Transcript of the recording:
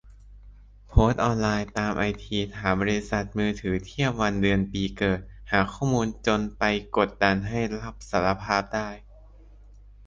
โพสต์ออนไลน์ ตามไอพี ถามบริษัทมือถือเทียบวันเดือนปีเกิด หาข้อมูลจนไปกดดันให้รับสารภาพได้